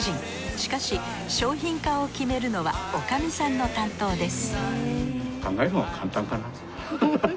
しかし商品化を決めるのは女将さんの担当です